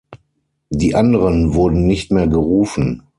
Die anderen wurden nicht mehr gerufen.